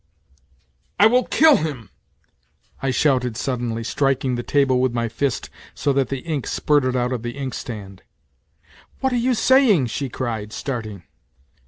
" I will kill him," I shouted suddenly, striking the table with my fist so that the ink spurted out of the inkstand. " What are you saying !" she cried, starting.